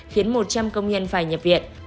khiến một trăm linh công nhân phải nhập viện